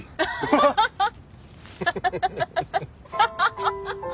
ハハハッ。